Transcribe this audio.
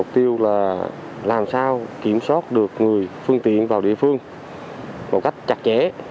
điều là làm sao kiểm soát được người phương tiện vào địa phương một cách chặt chẽ